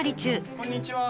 こんにちは。